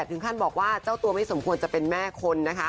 ถึงขั้นบอกว่าเจ้าตัวไม่สมควรจะเป็นแม่คนนะคะ